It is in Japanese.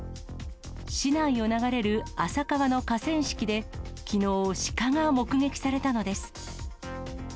市内を流れる浅川の河川敷で、きのう、シカが目撃されたのです。